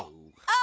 あ。